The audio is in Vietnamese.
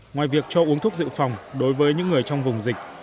ngoài việc cho uống thuốc dự phòng đối với những người trong vùng dịch